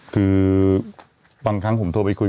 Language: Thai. คือบางครั้งผมโทรไปคุย